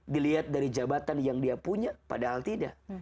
dilihat dari jabatan yang dia punya padahal tidak